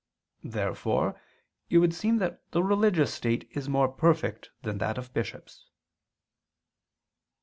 Therefore it would seem that the religious state is more perfect than that of bishops.